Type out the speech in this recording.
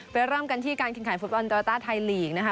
เริ่มกันที่การแข่งขันฟุตบอลโยต้าไทยลีกนะคะ